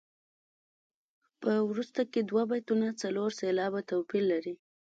په وروسته کې دوه بیتونه څلور سېلابه توپیر لري.